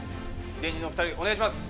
芸人のお二人お願いします。